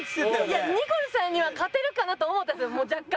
いやニコルさんには勝てるかなと思ったんですよ若干。